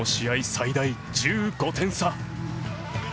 最大１５点差。